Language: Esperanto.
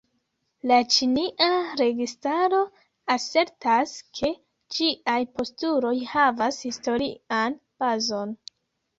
La ĉinia registaro asertas, ke ĝiaj postuloj havas historian bazon.